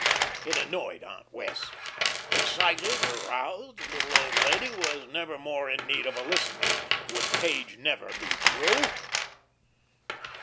It annoyed Aunt Wess'. Excited, aroused, the little old lady was never more in need of a listener. Would Page never be through?